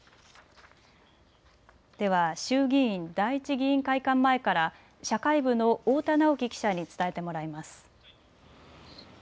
では衆議院第一議員会館前から社会部の太田直希記者に伝えてもらいます。